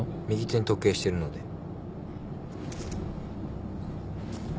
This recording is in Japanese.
右手に時計してるので。